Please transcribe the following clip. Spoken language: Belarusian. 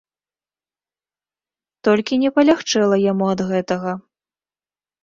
Толькі не палягчэла яму ад гэтага.